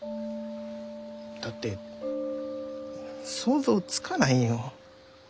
だって想像つかないよ。